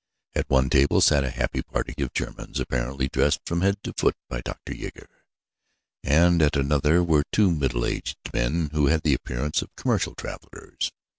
At one table sat a happy party of Germans, apparently dressed from head to foot by Dr. Jaeger, and at another were two middle aged men who had the appearance of commercial travellers.